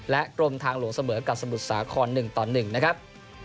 กรมทางหลวงเสมอกับสมุทรสาคร๑ต่อ๑นะครับ